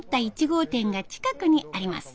１号店が近くにあります。